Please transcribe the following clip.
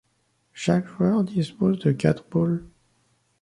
Chaque joueur dispose de quatre boules.